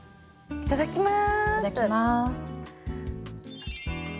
いただきます。